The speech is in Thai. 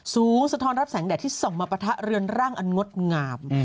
สะท้อนรับแสงแดดที่ส่องมาปะทะเรือนร่างอันงดงาม